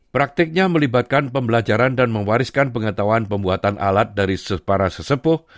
praktiknya melibatkan pembelajaran dan mewariskan pengetahuan pembuatan alat dari para sesepuh